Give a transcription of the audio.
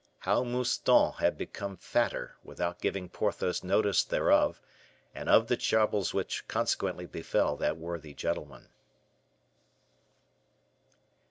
How Mouston Had Become Fatter without Giving Porthos Notice Thereof, and of the Troubles Which Consequently Befell that Worthy Gentleman.